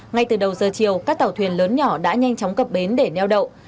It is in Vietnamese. ngay từ đầu giờ chiều các tàu thuyền lớn nhỏ đã nhanh chóng cập bến để neo đậu